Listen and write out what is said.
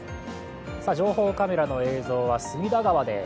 情報カメラの映像は隅田川です。